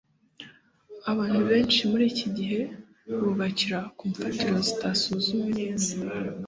abantu benshi muri iki gihe bubakira ku mfatiro zitasuzumwe neza